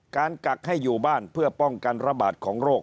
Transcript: กักให้อยู่บ้านเพื่อป้องกันระบาดของโรค